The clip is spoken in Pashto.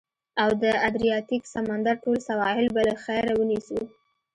او د ادریاتیک سمندر ټول سواحل به له خیره، ونیسو.